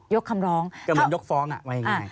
คำร้องก็เหมือนยกฟ้องว่ายังไง